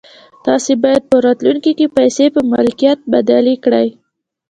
تاسې بايد په راتلونکي کې پيسې پر ملکيت بدلې کړئ.